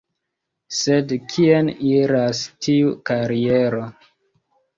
Sed kien iras tiu kariero...?